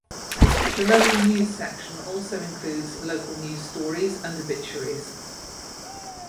The local news section also includes local news stories and obituaries.